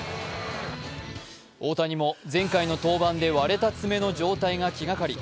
大谷も前回の登板で割れた爪の状態が気がかり。